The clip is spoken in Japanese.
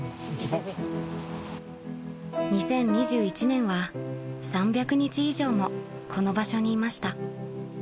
［２０２１年は３００日以上もこの場所にいました］